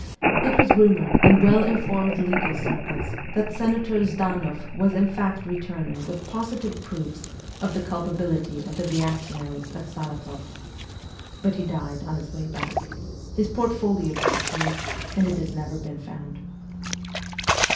It was rumoured in well informed legal circles that Senator Zhdanoff was in fact returning with positive proofs of the culpability of the reactionaries at Saratoff; but he died on his way back, his portfolio disappeared, and it has never been found.